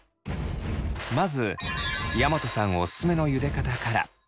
まず大和さんおすすめのゆで方から。